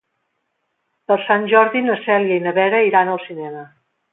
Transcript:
Per Sant Jordi na Cèlia i na Vera iran al cinema.